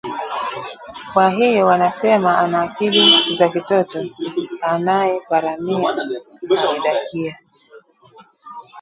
“Kwa hiyo wanasema ana akili za kitoto?” Aliyeparamiwa alidakia